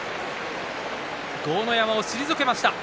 豪ノ山を退けました。